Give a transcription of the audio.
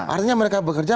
artinya mereka bekerja